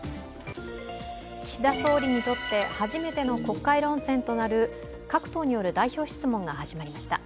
岸田総理にとって初めての国会論戦となる各党による代表質問が始まりました。